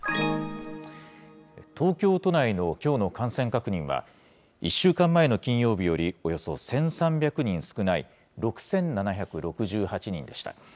東京都内のきょうの感染確認は、１週間前の金曜日よりおよそ１３００人少ない、６７６８人でした。